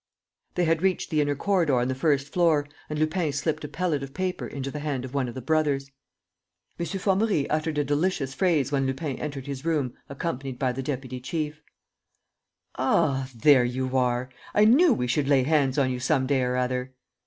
They had reached the inner corridor on the first floor and Lupin slipped a pellet of paper into the hand of one of the brothers. M. Formerie uttered a delicious phrase when Lupin entered his room accompanied by the deputy chief: "Ah, there you are! I knew we should lay hands on you some day or other!"